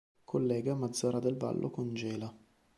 Collega Mazara del Vallo con Gela.